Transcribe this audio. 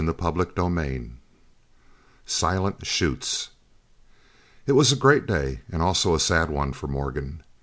CHAPTER III SILENT SHOOTS It was a great day and also a sad one for Morgan.